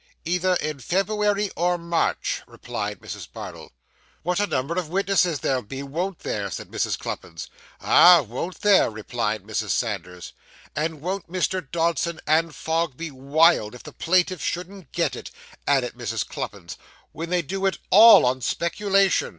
'Either in February or March,' replied Mrs. Bardell. 'What a number of witnesses there'll be, won't there?' said Mrs. Cluppins. 'Ah! won't there!' replied Mrs. Sanders. 'And won't Mr. Dodson and Fogg be wild if the plaintiff shouldn't get it?' added Mrs. Cluppins, 'when they do it all on speculation!